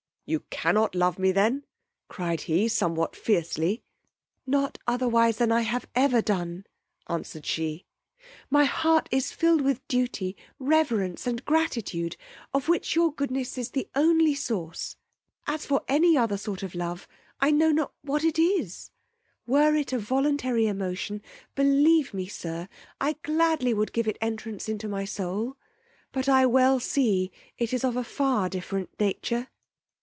You cannot love me then? cried he, somewhat feircely. No otherwise than I have ever done, answered she. My heart is filled with duty, reverence and gratitude, of which your goodness is the only source: as for any other sort of love I know not what it is; were it a voluntary emotion, believe me, sir, I gladly would give it entrance into my soul, but I well see it is of a far different nature.